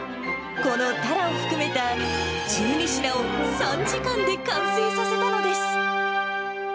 このタラを含めた、１２品を３時間で完成させたのです。